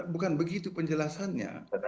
bukan begitu penjelasannya